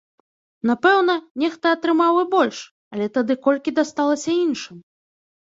Напэўна, нехта атрымаў і больш, але тады колькі дасталася іншым?